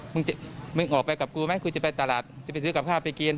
มึงมึงออกไปกับกูไหมกูจะไปตลาดจะไปซื้อกับข้าวไปกิน